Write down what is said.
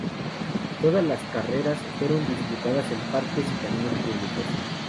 Todas estas carreras fueron disputadas en parques y caminos públicos.